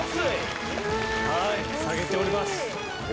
はい下げております。